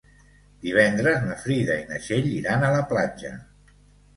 Divendres na Frida i na Txell iran a la platja.